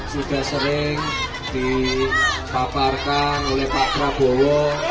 sudah sering dipaparkan oleh pak prabowo